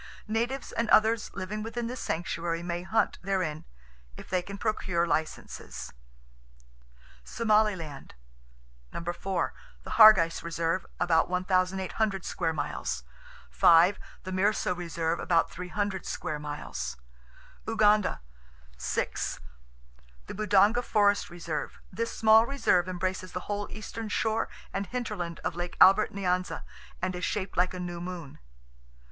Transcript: Natives and others living within this sanctuary may hunt therein—if they can procure licenses. Somaliland: 4. Hargeis Reserve, about 1,800 square miles. 5. Mirso Reserve, about 300 square miles. Uganda: 6. Budonga Forest Reserve.—This small reserve embraces the whole eastern shore and hinterland of Lake Albert Nyanza, and is shaped like a new moon.